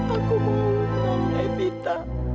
aku mau mengulangkan kita